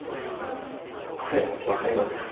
これ分かりますか？